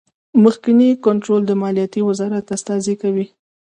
مخکینی کنټرول د مالیې وزارت استازی کوي.